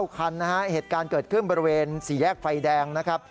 คันนะฮะเหตุการณ์เกิดขึ้นบริเวณ๔แยกไฟแดงนะครับ